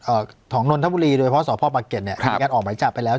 ของนนทบุรีโดยเฉพาะสพปะเก็ตเนี้ยครับมีการออกหมายจับไปแล้ว